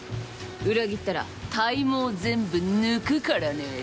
裏切ったら体毛、全部抜くからね。